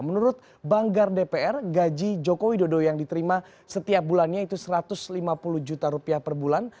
menurut banggar dpr gaji joko widodo yang diterima setiap bulannya itu satu ratus lima puluh juta rupiah per bulan